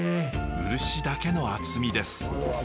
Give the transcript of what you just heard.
漆だけの厚みです。